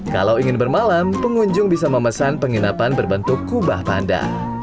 kalau ingin bermalam pengunjung bisa memesan penginapan berbentuk kubah panda